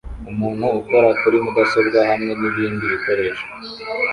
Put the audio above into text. Umuntu ukora kuri mudasobwa hamwe nibindi bikoresho